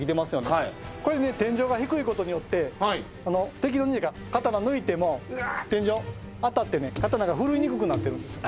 これ天井が低いことによって敵が刀抜いても天井当たって刀が振るいにくくなってる。